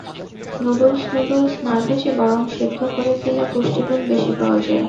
Noodles noodles না ভেজে বরং সেদ্ধ করে খেলে পুষ্টিগুণ বেশি পাওয়া যায়।